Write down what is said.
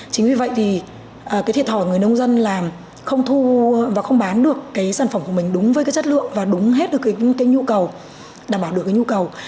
chính vì vậy thì cái thiệt thòi người nông dân là không thu và không bán được cái sản phẩm của mình đúng với cái chất lượng và đúng hết được cái nhu cầu đảm bảo được cái nhu cầu